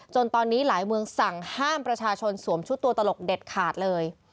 ตอนนี้หลายเมืองสั่งห้ามประชาชนสวมชุดตัวตลกเด็ดขาดเลย